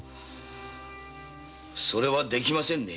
それはできませんね。